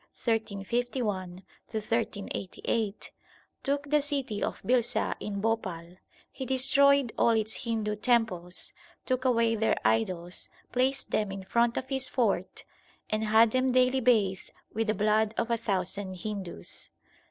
1351 88) took the city of Bhilsa in Bhopal, he destroyed all its Hindu temples, took away their idols, placed them in front of his fort, and had them daily bathed with the blood of a thousand Hindus.